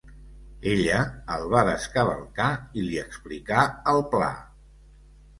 Ella el va descavalcar i li explicà el pla.